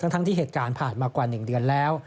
ทั้งที่เหตุการณ์ผ่านมากว่า๑เดือนแล้ว